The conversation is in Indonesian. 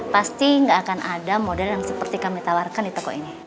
pasti nggak akan ada model yang seperti kami tawarkan di toko ini